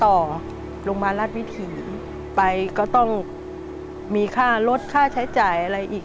ต่อโรงพยาบาลรัฐวิถีไปก็ต้องมีค่าลดค่าใช้จ่ายอะไรอีก